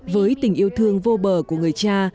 với tình yêu thương vô bờ của người cha